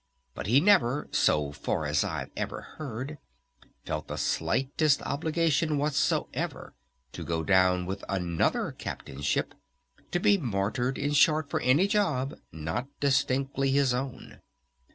But he never, so far as I've ever heard, felt the slightest obligation whatsoever to go down with another captain's ship, to be martyred in short for any job not distinctly his own.